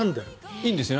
いいんですね